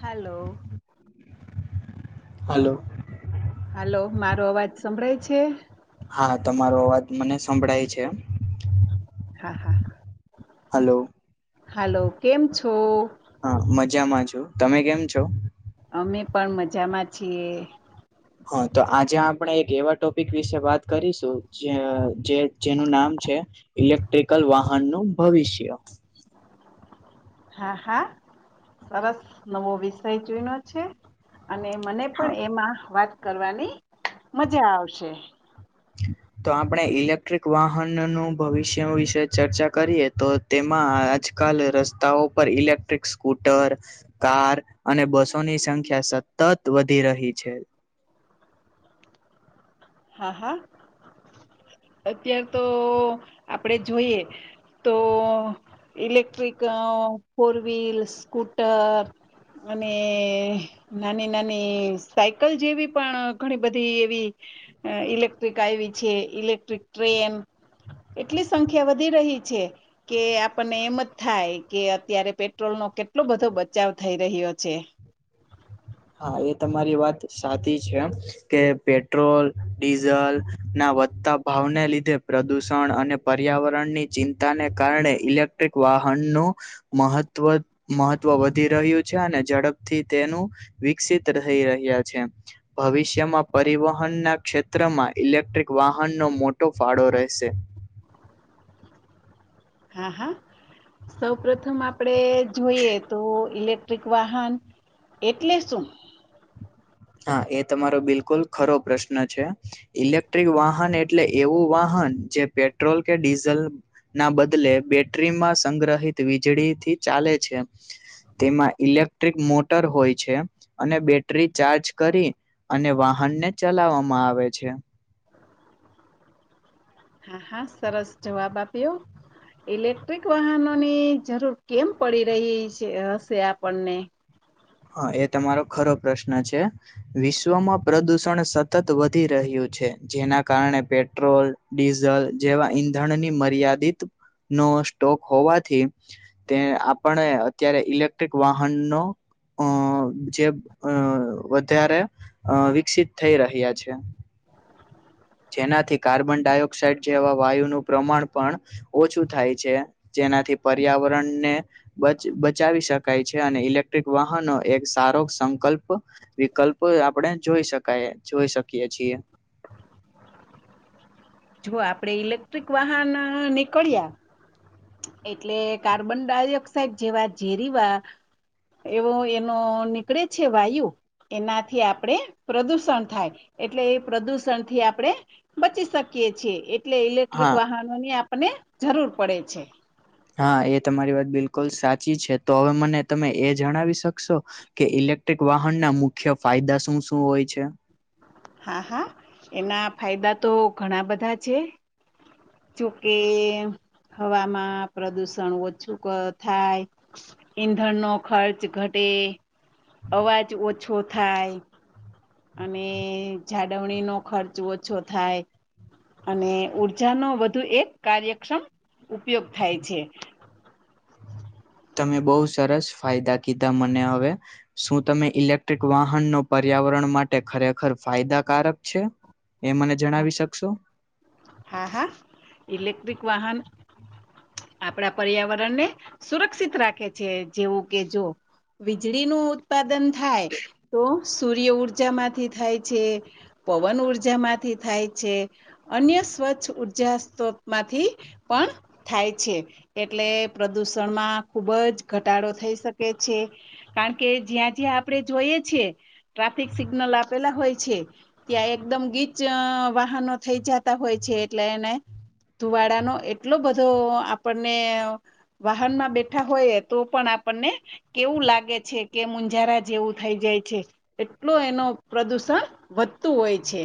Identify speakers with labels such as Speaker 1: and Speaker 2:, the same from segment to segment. Speaker 1: હાલો!
Speaker 2: Hello!
Speaker 1: Hello! મારો અવાજ સંભળાય છે?
Speaker 2: હા, તમારો અવાજ મને સંભળાય છે.
Speaker 1: હા, હા,
Speaker 2: હાલો!
Speaker 1: હાલો! કેમ છો?
Speaker 2: હા, મજામાં છું, તમે કેમ છો?
Speaker 1: અમે પણ મજામાં છીએ.
Speaker 2: હા, તો આજે આપણે એક એવા ટોપિક વિશે વાત કરીશું જે જે જેનું નામ છે. ઇલેક્ટ્રિકલ વાહનનું ભવિષ્ય.
Speaker 1: હા, હા, સરસ નવો વિષય ચુઈનો છે. અને મને
Speaker 2: હા
Speaker 1: પણ એમાં વાત કરવાની મઝા આવશે.
Speaker 2: તો આપણે ઇલેક્ટ્રિક વાહનનું ભવિષ્યનું વિશે ચર્ચા કરીએ તો તેમાં આજકાલ રસ્તાઓ પર ઇલેક્ટ્રિક સ્કૂટર કાર અને બસોની સંખ્યા સતત વધી રહી છે.
Speaker 1: હા, હા, અત્યાર તો આપડે જોએ તો ઇલેક્ટ્રિક અ ફોરવ્હીલ, સ્કૂટર અને નાની-નાની સાયકલ જેવી પણ ઘણી બધી એવી અ ઇલેક્ટ્રિક આયવી છે, ઇલેક્ટ્રિક ટ્રેન એટલી સંખ્યા વધી રહી છે. કે આપણને એમ જ થાય કે અત્યારે પેટ્રોલનો કેટલો બધો બચાવ થઈ રહ્યો છે.
Speaker 2: હા, એ તમારી વાત સાચી છે. એમ કે પેટ્રોલ, ડીઝલના વધતા ભાવને લીધે પ્રદુષણ અને પર્યાવરણની ચિંતાને કારણે ઇલેક્ટ્રિક વાહનનું મહત્વ મહત્વ વધી રહ્યું છે અને ઝડપથી તેનું વિકસિત રહી રહ્યા છે. ભવિષ્યમાં પરિવહનના ક્ષેત્રમાં ઇલેક્ટ્રિક વાહનનો મોટો ફાળો રેહશે.
Speaker 1: હા, હા, સૌ પ્રથમ આપડે જોઈએ તો ઇલેક ટ્રિક વાહન એટલે શું?
Speaker 2: હા, એ તમારો બિલકુલ ખરો પ્રશ્ન છે. ઈલેક્ટ્રિક વાહન એટલે એવું વાહન જે પેટ્રોલ કે ડીઝલ ના બદલે બેટ્રીમાં સંગ્રહિત વીજળીથી ચાલે છે. તેમાં ઇલેક્ટ્રિક મોટર હોય છે અને બેટરી ચાર્જ કરી અને વાહનને ચલાવામાં આવે છે.
Speaker 1: હા, હા, સરસ જવાબ આપ્યો. ઇલેક્ટ્રિક વાહનોની જરૂર કેમ પડી રહી છે હશે આપણને?
Speaker 2: હ, એ તમારો ખરો પ્રશ્ન છે. વિશ્વમાં પ્રદુષણ સતત વધી રહ્યું છે, જેના કારણે પેટ્રોલ ડીઝલ જેવા ઈંધણની મર્યાદિત નો સ્ટોક હોવાથી તે આપણે અત્યારે ઇલેક્ટ્રિક વાહનનો અ જે અ વધારે અ વિકસિત થઈ રહ્યા છે. જેનાથી કાર્બન ડાયોક્સાાઈડ જેવા વાયુનું પ્રમાણ પણ ઓછું થાય છે જેનાથી પર્યાવરણને બ બચાવી શકાય છે અને ઇલેક્ટ્રિક વાહનો એક સારો સંકલ્પ વિકલ્પો આપણેે જોઈ શકાય જોઈ શકીએ છીએ.
Speaker 1: જો આપડે ઇલેક્ટ્રિક વાહન નીકળ્યા. એટલે કાર્બન ડાયોક્સાઈડ જેવા ઝેરીવા એવો એનો નીકળે છે વાયુ. એનાથી આપણેે પ્રદૂષણ થાય એટલે એ પ્રદુષણથી આપણેે બચી શકીએ. છએ એટલે ઇલેક્ટ્રિક
Speaker 2: હા
Speaker 1: વાહનો ની આપને જરૂર પડે છે.
Speaker 2: હા એ તમારી વાત બિલકુલ સાચી છે તો હવે મને તમે એ જણાવી શકશો. કે ઇલેક્ટ્રિક વાહન ના મુખ્ય ફાયદા શું શું હોય છે.
Speaker 1: હા હા એના ફાયદા તો ઘણા બધા છે. જોકે હવામાં પ્રદુષણ ઓછું થાય, ઈંધણ નો ખર્ચ ઘટે, અવાજ ઓછો થાય. અને જાડવણી નો ખર્ચ ઓછો થાય. અને ઉર્જાનો વધુ એક કાર્યક્ષમ ઉપયોગ થાય છે.
Speaker 2: તમે બહુ સરસ ફાયદા કીધા મને હવે. શું તમે ઇલેક્ટ્રિક વાહન નો પર્યાવરણ માટે ખરેખર ફાયદાકારક છે? એ મને જણાવી શકશો.
Speaker 1: હા હા ઇલેક્ટ્રિક વાહન. આપણા પર્યાવરણને સુરક્ષિત રાખે છે જેવું કે જો. વીજળી નું ઉત્પાદન. થાય તો સૂર્ય ઊર્જામાંથી થાય છે, પવન ઉર્જા માંથી થી થાય છે અન્ય સ્વચ્છ ઉર્જા સ્ત્રોતમાંથી પણ થાય છે. એટલે પ્રદુષણમાં ખુબ જ ઘટાડો થઈ શકે છે. કારણ કે જ્યાં જ્યાં આપડણે જોઈએ છીએ. ટ્રાફિક સિગ્નલ આપેલા હોય છે ત્યાં એકદમ ગીત ચ વાહનો થઈ જતા હોય છે એટલે એને. ધુવાડાનો એટલો બધો આપણને. વાહનમાં બેઠા હોય તો પણ આપણને. કેવું લાગે છે કે મુંજારા જેવું થઈ જાય છે. એટલો એનો પ્રદુષણ વધતું હોય છે.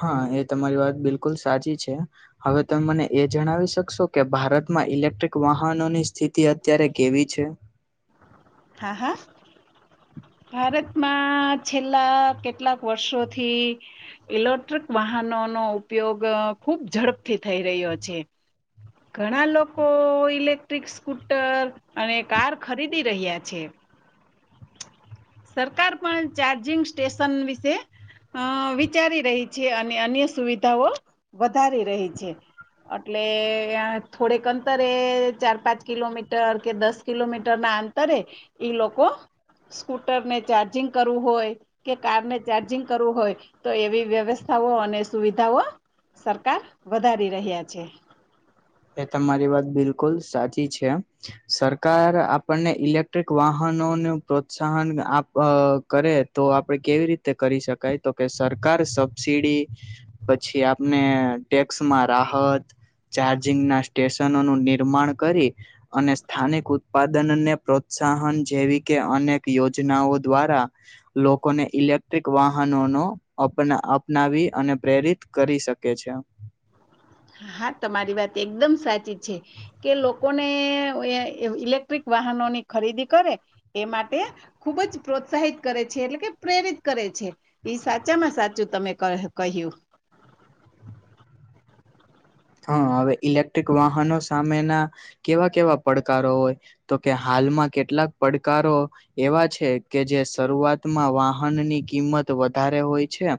Speaker 2: હા એ તમારી વાત બિલકુલ સાચી છે. હવે તમે મને એ જણાવી શકશો કે ભારતમાં ઇલેક્ટ્રિક વાહનોની સ્થિતિ અત્યારે કેવી છે?
Speaker 1: હા હા. ભારતમાં છેલ્લા કેટલાક વર્ષોથી. ઇલેક્ટ્રિક વાહનો નો ઉપયોગ ખુબ ઝડપથી થઈ રહ્યો છે. ઘણા લોકો ઇલેક્ટ્રિકસ સ્કૂટર અને કાર ખરીદી રહ્યા છે. સરકાર પણ ચાર્જિંગ સ્ટેશન વિશે. અ વિચારી રહી છે અને અન્ય સુવિધાઓ વધારી રહી છે. અટલે યાર થોડેક અંતરે ચાર પાંચ કિલોમીટર કે દસ. કિલોમીટરના અંતરે ઈ લોકો. સ્કૂટરને ચાર્જિંગ કરવું હોય. કે કારને ચાર્જિંગ કરવું હોય તો એવી વ્યવસ્થાઓ અને સુવિધાઓ. સરકાર વધારી રહ્યા છે.
Speaker 2: એ તમારી વાત બિલકુલ સાચી છે. સરકાર આપણને ઇલેક્ટ્રિક વાહનોનો પ્રોત્સાહન આપ કરે તો આપડે કેવી રીતે કરી શકાય તો કે સરકાર સબસીડી પછી આપને ટેક્સમાં રાહત ચાર્જ જિંગના સ્ટેશનોનું નિર્માણ કરી અને સ્થાનિક ઉત્પાદન અને પ્રોત્સાહન જેવી કે અનેક યોજનાઓ દ્વારા. લોકોને ઇલેક્ટ્રિક વાહનોનો અપના અપનાવી અને પ્રેરિત કરી શકે છે.
Speaker 1: હા તમારી વાત એકદમ સાચી છે. કે લોકોને એયા ઇલેક્ટ્રિક વાહનોની ખરીદી કરે એ માટે. ખુબ જ પ્રોત્સાહિત કરે છે એટલે કે પ્રેરિત કરે છે. ઈ સાચામાં સાચું તમે કહ કહ્યું.
Speaker 2: હ અવે ઇલેક્ટ્રિક વાહનો સામેના કેવા કેવા પડકારો હોય. તો કે હાલમાં કેટલાક પડકારો. એવા છે કે જે શરૂઆતમાં વાહનની કિંમત વધારે હોય છે.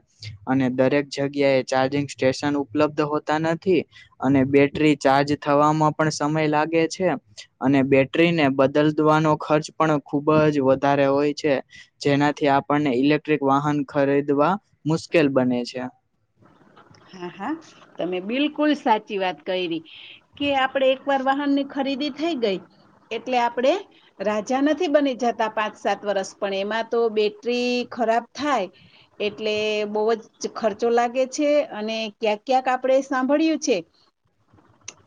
Speaker 2: અને દરેક જગ્યાએ ચાર્જિંગ સ્ટેશન ઉપલબ્ધ હોતા નથ થી અને બેટરી ચાર્જ થવામાં પણ સમય લાગે છે. અને બેટરીને બદલતવાનો ખર્ચ પણ ખુબ જ વધારે હોય છે. જેનાથી આપણને ઇલેક્ટ્રિક વાહન ખરીદવા મુશ્કેલ બને છે.
Speaker 1: હા હા તમે બિલકુલ સાચી વાત કયરી. કે આપડે એક વાર વાહનની ખરીદી થઈ ગઈ એટલે આપડે. રાજા નથી બની જતા પાંચ સાત વર્ષ પણ એમાં તો બેટરી ખરાબ થાય. એટલે બહુ જ ખર્ચો લાગે છે. અને ક્યાંક ક્યાંક આપડે સાંભળય્યું છે.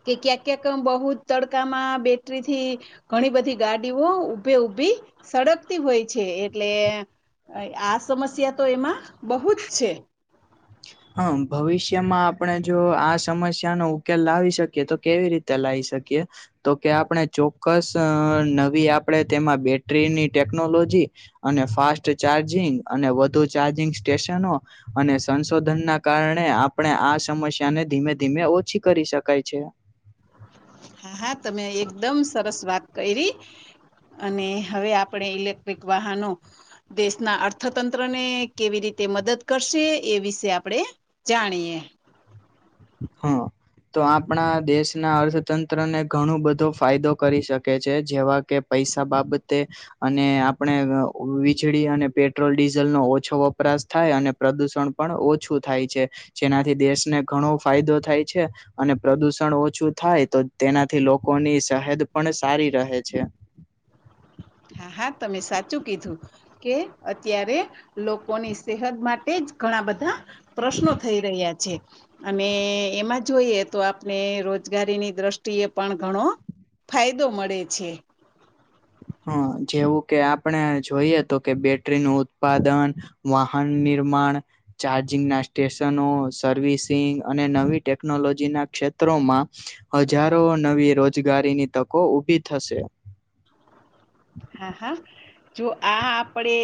Speaker 1: કે ક્યાંક ક્યાંક બહુ જ તડકામાં બેટરીથી ઘણી બધી ગાડીઓ ઊભે ઊભી સળગતી હોય છે. એટલે અય આ સમસ્યા તો એમાં બહુ જ છે.
Speaker 2: હમ ભવિષ્યમાં આપણે જો આ સમસ્યાનો ઉકેલ લાવી શકીએ તો કેવી રીત તે લાઈ શકીએ. તો કે આપણે ચોક્કસ અઅ નવી આપણેે તેમાં બેટરીની ટેકનોલોજી અને ફાસ્ટ ચાર્જિંગ અને વધુ ચાર્જિંગ સ્ટેશનો અને સંશોધનના કારણે આપણે આ સમસ્યાને ધીમે ધીમે ઓછી કરી શકાય છે.
Speaker 1: હા હા તમે એકદમ સરસ વાત કયરી. અને હવે આપણે ઇલેક્ટ્રિક વાહનો દેશના અર્થતંત્રને કેવી રીતે મદદ કરશે એ વિશે આપણે જાણીએે
Speaker 2: હમ્મ, તો આપણા દેશના અર્થતંત્રને ઘણો બધો ફાયદો કરી શકે છે, જેવા કે પૈસા બાબતે અને આપણે વીજળી અને પેટ્રોલ ડીઝલનો ઓછો વપરાશ થાય અને પ્રદુષણ પણ ઓછું થાય છે જેનાથી દેશને ઘણો ફાયદો થાય છે. અને પ્રદુષણ ઓછું થાય તો તેનાથી લોકોની સહેદ પણ સારી રહે છે.
Speaker 1: હા હા તમે સાચું કીધું, કે અત્યારે લોકોની સેહત માટે જ ઘણા બધા પ્રશ્નો થઈ રહ્યા છે. અને એમાં જોઈએ તો આપણે રોજગારીની દ્રષ્ટિએ પણ ઘણો ફાયદો મળે છે.
Speaker 2: હા જેવું કે આપણે જોઈએ તો કે બેટરીનું ઉત્પાદન વાહન નિર્માણ ચાર્જિંગના સ્ટેશનો, સર્વિસિંગ અને નવી ટેકનોલોજીના ક્ષેત્રોમાં હજારો નવી રોજગારીની તકો ઉભી થશે.
Speaker 1: હા હા જો આ આપડે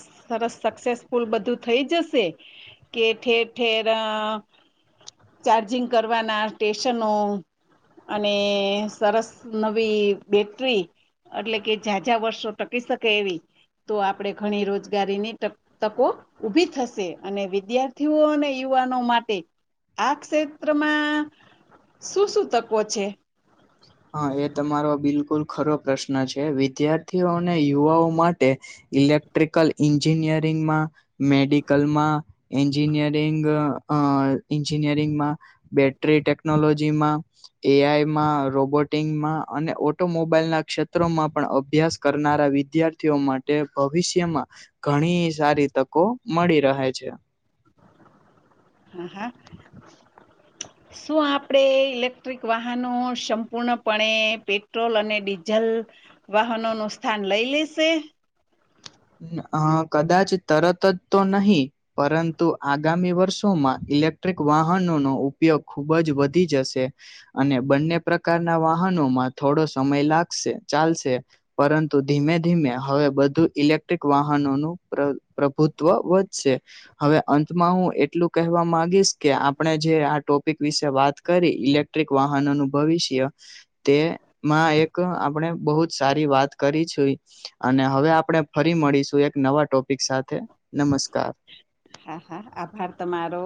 Speaker 1: સરસ સક્સેસફુલ બધું થઈ જશે કે ઠેર ઠેર અ ચાર્જિંગ કરવાના સ્ટેશનો અને સરસ નવી બેટરી એટલે કે છાછા વર્ષો ટકી શકે એવી તો આપડે ઘણી રોજગારી ની તક તકો ઊભી થશે અને વિદ્યાર્થીઓ અને યુવાનો માટે આ ક્ષેત્રમાં શું શું તકો છે?
Speaker 2: હા એ તમારો બિલકુલ ખરો પ્રશ્ન છે વિદ્યાર્થીઓ અને યુવાઓ માટે ઇલેક્ટ્રિકલ એન્જિનિયરિગ માં મેડિકલમાં એન્જિનિયરિંગ અ એન્જિનિયરિંગ માં બેટરી ટેકનોલોજી માં એઆઈમાં રોબોટિંગમાં અને ઓટોમોબાઈલના ક્ષેત્રોમાં પણ અભ્યાસ કરનારા વિદ્યાર્થીઓ માટે માટે ભવિષ્યમાં ઘણી સારી તકો મળી રહે છે
Speaker 1: હા
Speaker 2: [unintelligible]
Speaker 1: શું આપણે ઇલેક્ટ્રિક વાહનો સંપૂર્ણપણે પેટ્રોલ અને ડીઝલ વાહનો નું સ્થાન લઈ લેશે?
Speaker 2: હ કદાચ તરત જ તો નહી પરંતુ આગામી વર્ષોમાં ઇલેક્ટ્રિક વાહનોનો ઉપયોગ ખુબ જ વધી જશે અને બંને પ્રકારના વાહનોમાં થોડો સમય લાગશે ચાલશે પરંતુ ધીમે ધીમે હવે બધું ઇલેક ટ્રિક વાહનો નુ પ્રભુત્વ વધશે હવે અંતમાં હું એટલું કહેવા માંગીશ કે આપણે જે આ ટોપિક વિશે વાત કરી ઇલેક્ટ્રિક વાહનોનું ભવિષ્ય તેમાં એક આપણે બહુ જ સારી વાત કરી છે અને હવે આપણે ફરી મળીશું એક નવા ટોપિક સાથે નમસ્કાર
Speaker 1: હા હા આભાર તમારો